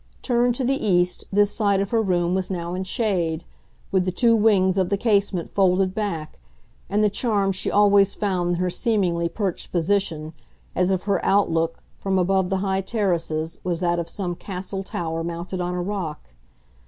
Turned to the east, this side of her room was now in shade, with the two wings of the casement folded back and the charm she always found in her seemingly perched position as if her outlook, from above the high terraces, was that of some castle tower mounted on a rock.